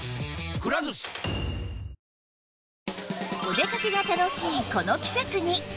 お出かけが楽しいこの季節に！